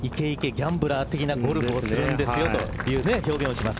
ギャンブラー的なそういうゴルフをするんですよという表現をします。